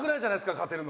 勝てるの。